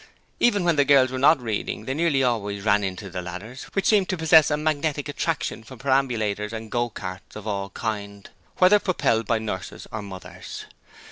Even when the girls were not reading they nearly always ran into the ladders, which seemed to possess a magnetic attraction for perambulators and go carts of all kinds, whether propelled by nurses or mothers.